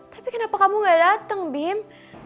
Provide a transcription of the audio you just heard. tapi kenapa kamu gak datang bim